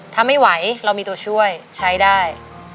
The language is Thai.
ถ้าไม่ไหวเรามีตัวช่วยใช้ได้